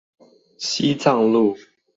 西藏路